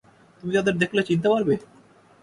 তুমি তাদের দেখলে চিনতে পারবে?